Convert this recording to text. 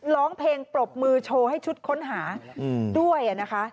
ร้องเพลงปรบมือโชว์ให้ชุดค้นหาด้วยนะคะ